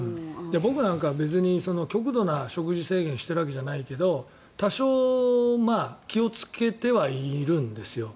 僕なんかは極度な食事制限をしているわけじゃないけど多少気をつけてはいるんですよ。